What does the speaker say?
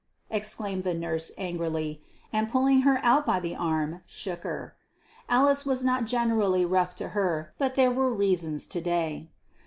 exclaimed the nurse angrily, and pulling her out by the arm, shook her. Alice was not generally rough to her, but there were reasons to day.